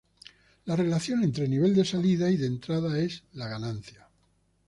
La relación entre nivel de salida y de entrada es la ganancia.